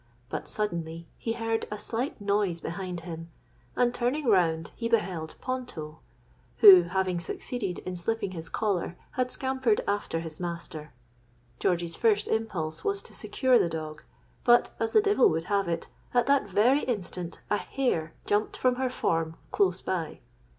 But suddenly, he heard a slight noise behind him; and, turning round, he beheld Ponto, who, having succeeded in slipping his collar, had scampered after his master. George's first impulse was to secure the dog; but, as the devil would have it, at that very instant a hare jumped from her form close by.